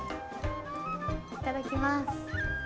いただきます。